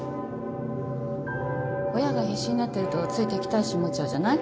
親が必死になってるとつい敵対心持っちゃうじゃない